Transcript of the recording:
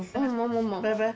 バイバイ。